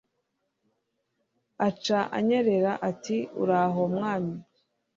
Aca anyerera ati Uraho mwami